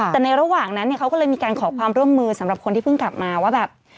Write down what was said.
แต่ในระหว่างนั้นเนี่ยเขาก็เลยมีการขอความร่วมมือสำหรับคนที่เพิ่งกลับมาว่าแบบ